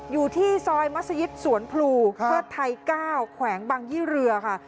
อยู่ที่ซอยมัศยิตสวนพลูเทิดไทย๙แขวงบางยี่เรือค่ะ